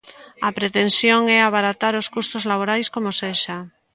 A pretensión é abaratar os custos laborais como sexa.